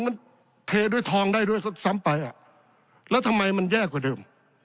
มันเทด้วยทองได้ด้วยซ้ำไปอ่ะแล้วทำไมมันแย่กว่าเดิม